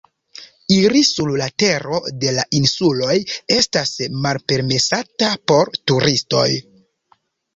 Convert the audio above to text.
Iri sur la tero de la insuloj estas malpermesata por turistoj.